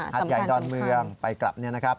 หัดใหญ่ดอนเมืองไปกลับนะครับ